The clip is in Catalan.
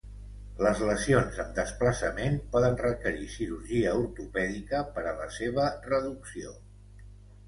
Les lesions amb desplaçament poden requerir cirurgia ortopèdica per a la seva reducció.